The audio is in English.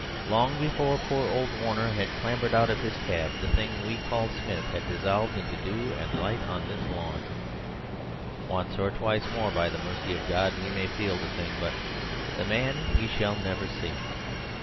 Long before poor old Warner had clambered out of his cab, the thing we called Smith had dissolved into dew and light on this lawn. Once or twice more, by the mercy of God, we may feel the thing, but the man we shall never see.